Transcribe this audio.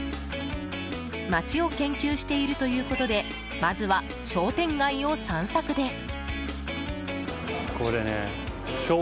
街を研究しているということでまずは商店街を散策です。